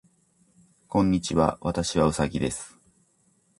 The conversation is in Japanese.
こんにちは。私はうさぎです。